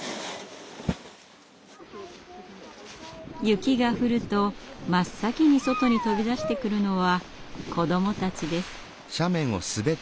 雪が降ると真っ先に外に飛び出してくるのは子どもたちです。